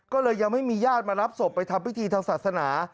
ก็เลยยังไม่มีญาติมารับศพไปทำพิธีทางศาสนา